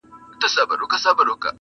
ورو ورو بدلېږي،